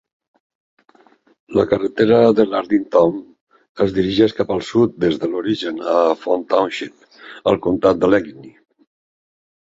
La carretera de Lardintown es dirigeix cap el sud des del seu origen a Fawn Township, al comtat d'Allegheny.